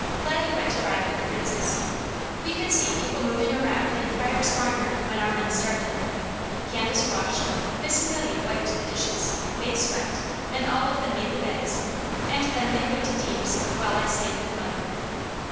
Laddie went to ride with the Princess. We could see people moving around in Pryors' barnyard when our men started. Candace washed, Miss Amelia wiped the dishes, May swept, and all of them made the beds, and then they went to Deams', while I stayed with mother.